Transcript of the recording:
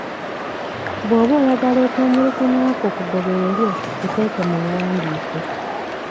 Bwoba oyagala okwemulugunya kwo kugobererwe kuteeke mu buwandiike.